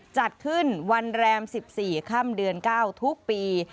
จัดขึ้นวันแรม๑๔ค่ำเดือน๙ทุกปี